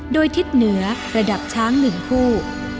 โดยทิศเหนือระดับช้าง๑คู่